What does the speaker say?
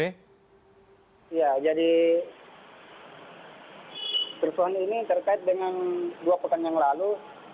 ya jadi kerusuhan ini terkait dengan dua pekan yang lalu